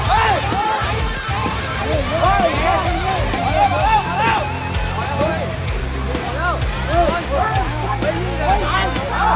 อันดับสุดท้าย